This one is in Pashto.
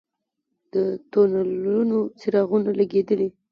د تونلونو څراغونه لګیدلي؟